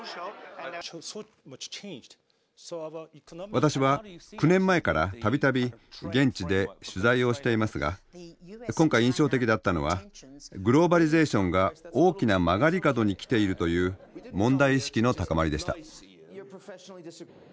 私は９年前から度々現地で取材をしていますが今回印象的だったのはグローバリゼーションが大きな曲がり角に来ているという問題意識の高まりでした。